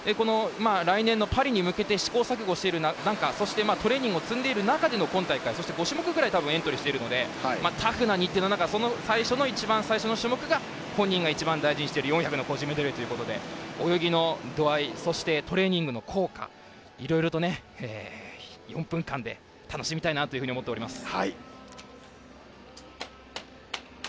来年のパリに向けて試行錯誤しているそして、トレーニングを積んでいる中での今大会５種目ぐらいエントリーしているのでタフな日程の中最初の一番最初の種目が一番大事にしている４００の個人メドレーということで泳ぎの度合いそして、トレーニングの効果いろいろと４分間で楽しみたいなというふうに思っております。